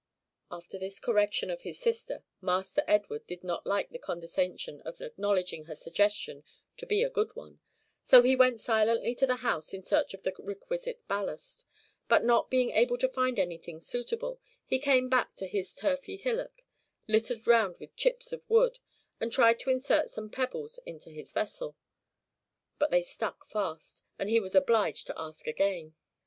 After this correction of his sister, Master Edward did not like the condescension of acknowledging her suggestion to be a good one; so he went silently to the house in search of the requisite ballast; but not being able to find anything suitable, he came back to his turfy hillock, littered round with chips of wood, and tried to insert some pebbles into his vessel; but they stuck fast, and he was obliged to ask again.